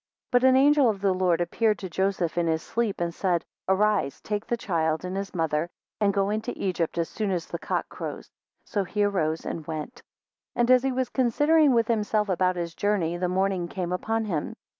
3 But an angel of the Lord appeared to Joseph in his sleep, and said, Arise, take the child and his mother, and go into Egypt as soon as the cock crows. So he arose, and went. 4 And as he was considering with himself about his journey, the morning came upon him.